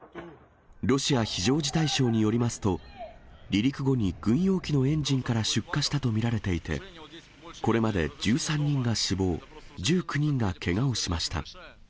ロシア非常事態省によりますと、離陸後に軍用機のエンジンから出火したと見られていて、これまで１３人が死亡、１９人がけがをしました。